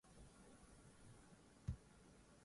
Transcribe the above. lazima uratibu hati zako zote kwa ukamilifu